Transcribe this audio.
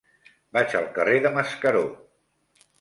Vaig al carrer de Mascaró.